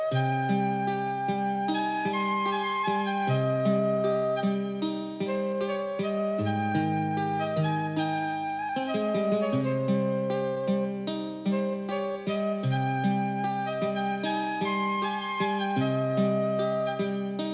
sampai jumpa di video selanjutnya